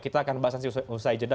kita akan bahas nanti usai jeda